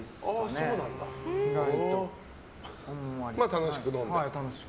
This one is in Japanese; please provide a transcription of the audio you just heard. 楽しく飲むんだ。